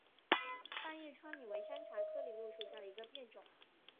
大叶川柃为山茶科柃木属下的一个变种。